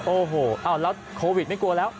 โอ้โหแล้วโควิดไม่กลัวแล้ว